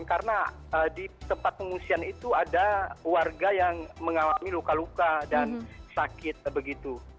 karena di tempat pengungsian itu ada warga yang mengalami luka luka dan sakit begitu